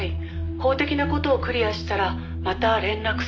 法的な事をクリアしたらまた連絡すると」